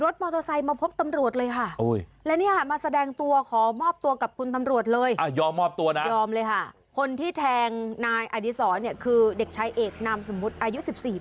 เด็กชายเอกเด็กชายอยู่เลย